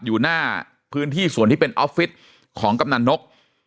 อยู่หน้าพื้นที่ส่วนที่เป็นออฟฟิศของกำนันนก